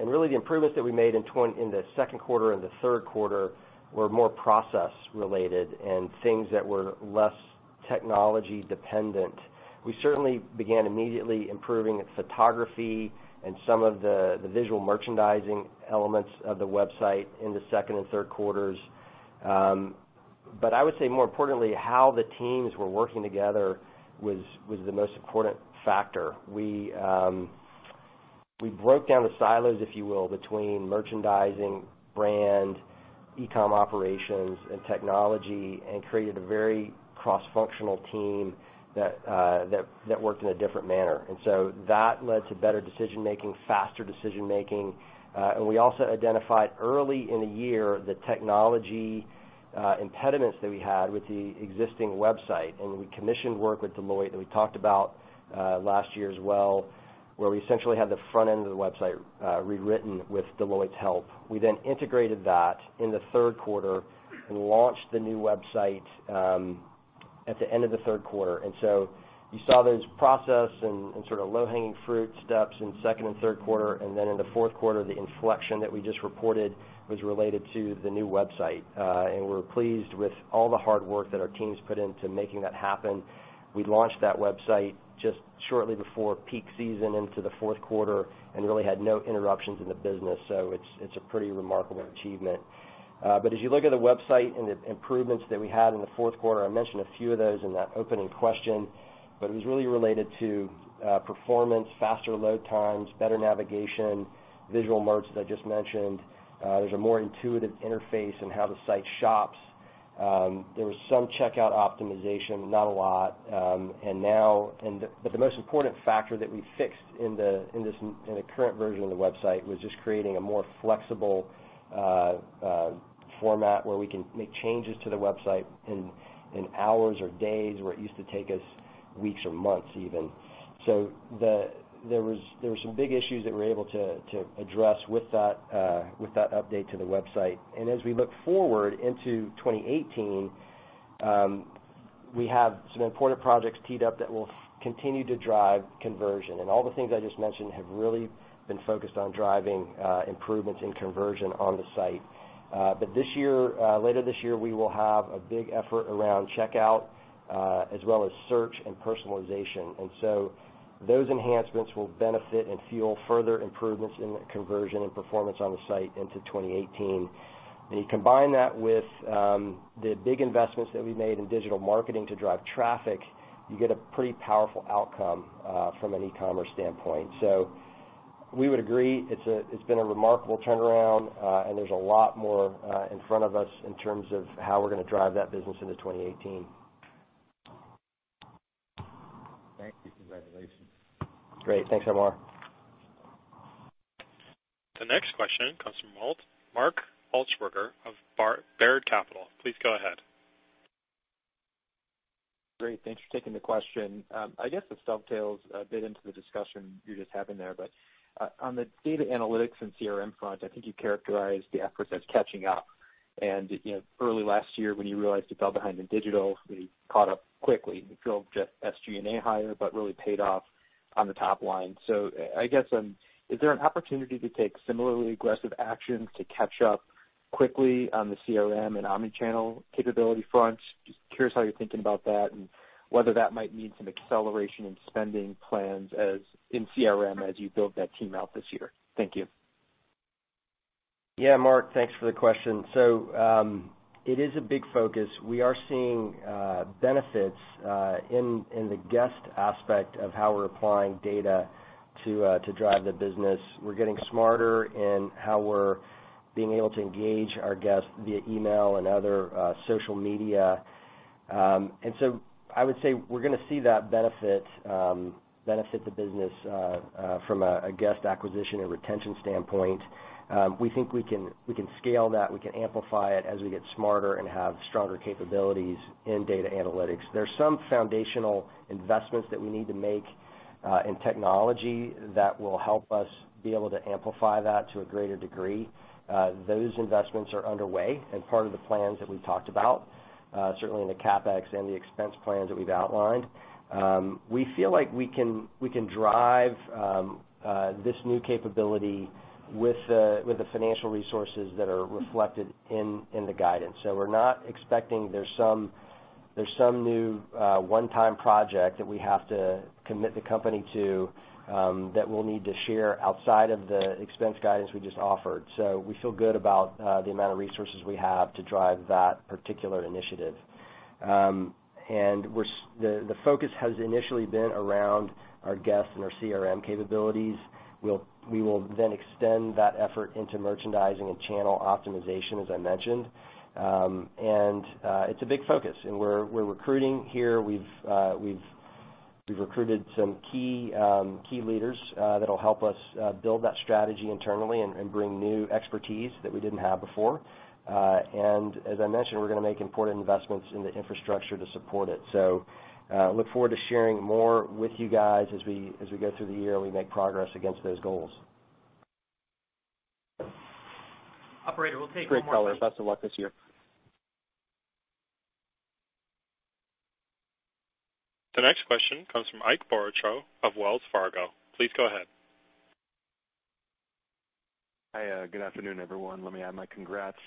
Really the improvements that we made in the second quarter and the third quarter were more process related and things that were less technology dependent. We certainly began immediately improving photography and some of the visual merchandising elements of the website in the second and third quarters. I would say more importantly, how the teams were working together was the most important factor. We broke down the silos, if you will, between merchandising, brand, e-com operations, and technology, and created a very cross-functional team that worked in a different manner. That led to better decision making, faster decision making. We also identified early in the year the technology impediments that we had with the existing website. We commissioned work with Deloitte that we talked about last year as well, where we essentially had the front end of the website rewritten with Deloitte's help. We integrated that in the third quarter and launched the new website at the end of the third quarter. You saw those process and sort of low-hanging fruit steps in second and third quarter. In the fourth quarter, the inflection that we just reported was related to the new website. We're pleased with all the hard work that our teams put in to making that happen. We launched that website just shortly before peak season into the fourth quarter and really had no interruptions in the business. It's a pretty remarkable achievement. As you look at the website and the improvements that we had in the fourth quarter, I mentioned a few of those in that opening question, but it was really related to performance, faster load times, better navigation, visual merch that I just mentioned. There's a more intuitive interface in how the site shops. There was some checkout optimization, not a lot. The most important factor that we fixed in the current version of the website was just creating a more flexible format where we can make changes to the website in hours or days, where it used to take us weeks or months even. There was some big issues that we were able to address with that update to the website. As we look forward into 2018, we have some important projects teed up that will continue to drive conversion. All the things I just mentioned have really been focused on driving improvements in conversion on the site. Later this year, we will have a big effort around checkout, as well as search and personalization. Those enhancements will benefit and fuel further improvements in conversion and performance on the site into 2018. You combine that with the big investments that we've made in digital marketing to drive traffic, you get a pretty powerful outcome from an e-commerce standpoint. We would agree, it's been a remarkable turnaround, and there's a lot more in front of us in terms of how we're going to drive that business into 2018. Thank you. Congratulations. Great. Thanks, Omar. The next question comes from Mark Altschwager of Baird. Please go ahead. Great. Thanks for taking the question. I guess this dovetails a bit into the discussion you were just having there, but on the data analytics and CRM front, I think you characterized the efforts as catching up and early last year, when you realized you fell behind in digital, you caught up quickly. You drove SG&A higher, but really paid off on the top line. I guess, is there an opportunity to take similarly aggressive actions to catch up quickly on the CRM and omni-channel capability front? Just curious how you're thinking about that and whether that might mean some acceleration in spending plans in CRM as you build that team out this year. Thank you. Yeah, Mark, thanks for the question. It is a big focus. We are seeing benefits in the guest aspect of how we're applying data to drive the business. We're getting smarter in how we're being able to engage our guests via email and other social media. I would say we're going to see that benefit the business, from a guest acquisition and retention standpoint. We think we can scale that, we can amplify it as we get smarter and have stronger capabilities in data analytics. There's some foundational investments that we need to make in technology that will help us be able to amplify that to a greater degree. Those investments are underway and part of the plans that we talked about, certainly in the CapEx and the expense plans that we've outlined. We feel like we can drive this new capability with the financial resources that are reflected in the guidance. We're not expecting there's some new one-time project that we have to commit the company to, that we'll need to share outside of the expense guidance we just offered. We feel good about the amount of resources we have to drive that particular initiative. The focus has initially been around our guests and our CRM capabilities. We will then extend that effort into merchandising and channel optimization, as I mentioned. It's a big focus, and we're recruiting here. We've recruited some key leaders that'll help us build that strategy internally and bring new expertise that we didn't have before. As I mentioned, we're going to make important investments in the infrastructure to support it. Look forward to sharing more with you guys as we go through the year and we make progress against those goals. Operator, we will take one more question. Great, color. Best of luck this year. The next question comes from Ike Boruchow of Wells Fargo. Please go ahead. Hi, good afternoon, everyone. Let me add my congrats.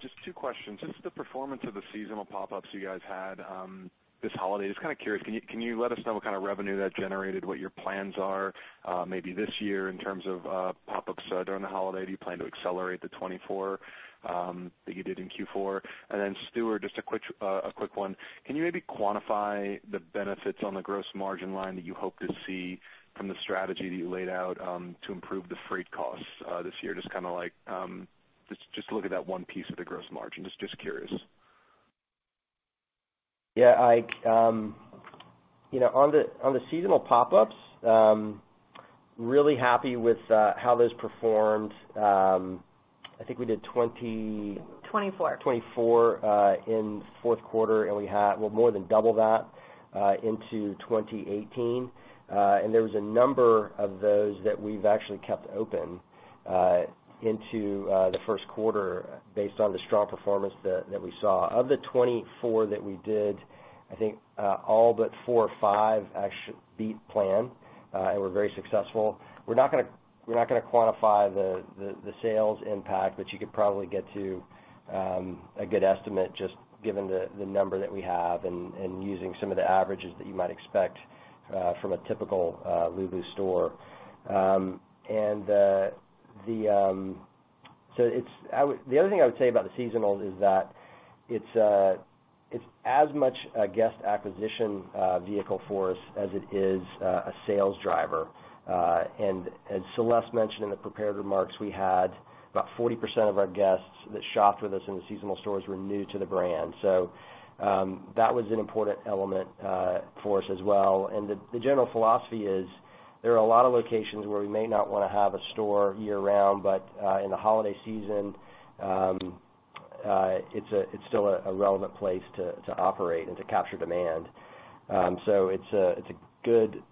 Just two questions. Just the performance of the seasonal pop-ups you guys had this holiday. Just kind of curious, can you let us know what kind of revenue that generated, what your plans are maybe this year in terms of pop-ups during the holiday? Do you plan to accelerate the 24 that you did in Q4? And then Stuart, just a quick one. Can you maybe quantify the benefits on the gross margin line that you hope to see from the strategy that you laid out to improve the freight costs this year? Just to look at that one piece of the gross margin. Just curious. Yeah, Ike. On the seasonal pop-ups, really happy with how those performed. I think we did 20 24. 24 in fourth quarter. We had more than double that into 2018. There was a number of those that we've actually kept open into the first quarter based on the strong performance that we saw. Of the 24 that we did, I think all but four or five actually beat plan and were very successful. We're not going to quantify the sales impact, but you could probably get to a good estimate just given the number that we have and using some of the averages that you might expect from a typical Lulu store. The other thing I would say about the seasonal is that it's as much a guest acquisition vehicle for us as it is a sales driver. As Celeste mentioned in the prepared remarks, we had about 40% of our guests that shopped with us in the seasonal stores were new to the brand. That was an important element for us as well. The general philosophy is there are a lot of locations where we may not want to have a store year-round, but in the holiday season, it's still a relevant place to operate and to capture demand. It's a good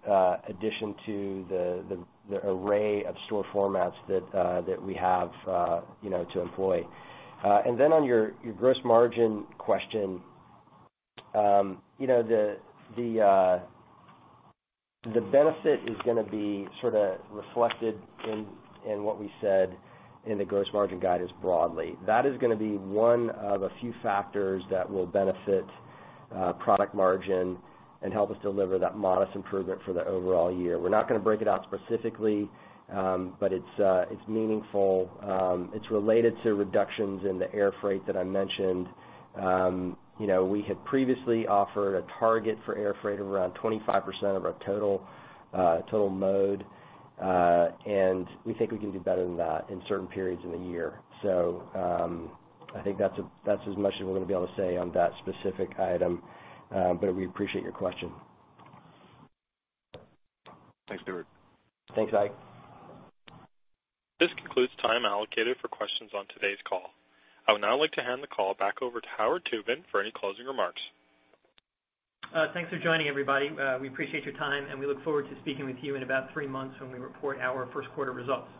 addition to the array of store formats that we have to employ. Then on your gross margin question. The benefit is going to be sort of reflected in what we said in the gross margin guidance broadly. That is going to be one of a few factors that will benefit product margin and help us deliver that modest improvement for the overall year. We're not going to break it out specifically, but it's meaningful. It's related to reductions in the air freight that I mentioned. We had previously offered a target for air freight of around 25% of our total mode. We think we can do better than that in certain periods in the year. I think that's as much as we're going to be able to say on that specific item, but we appreciate your question. Thanks, Stuart. Thanks, Ike. This concludes time allocated for questions on today's call. I would now like to hand the call back over to Howard Tubin for any closing remarks. Thanks for joining, everybody. We appreciate your time, and we look forward to speaking with you in about three months when we report our first quarter results.